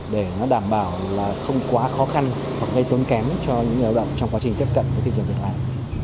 để nó đảm bảo là không quá khó khăn hoặc gây tốn kém cho những người lao động trong quá trình tiếp cận với thế giới thực hiện